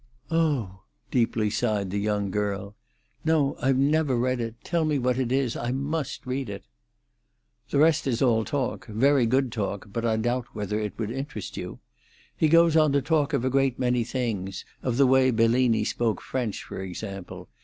"Oh!" deeply sighed the young girl. "No, I never read it. Tell me what it is. I must read it." "The rest is all talk—very good talk; but I doubt whether it would interest you. He goes on to talk of a great many things— of the way Bellini spoke French, for example.